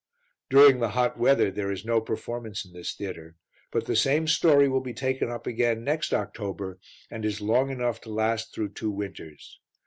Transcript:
During the hot weather there is no performance in this theatre; but the same story will be taken up again next October and is long enough to last through two winters.